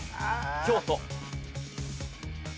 京都。